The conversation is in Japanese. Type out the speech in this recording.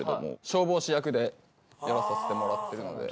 消防士役でやらせてもらってるので。